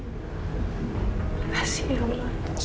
makasih ya allah